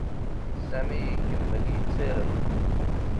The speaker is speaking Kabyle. Sami ikemmel yettarem.